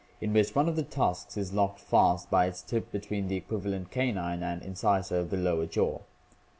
in which one of the tusks is locked fast by its tip between the equiva lent canine and incisor of the lower jaw.